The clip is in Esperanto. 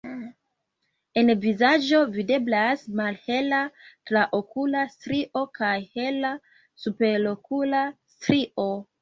En vizaĝo videblas malhela traokula strio kaj hela superokula strio.